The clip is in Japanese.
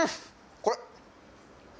これ。